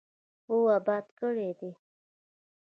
او اباد کړی دی.